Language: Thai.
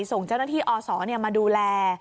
ส่งเจ้าหน้าที่อศมาดูแล